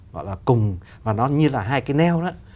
gọi là cùng mà nó như là hai cái neo đó